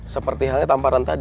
seperti halnya tamparan tadi